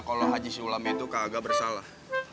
kalau haji sulam itu kagak bersalah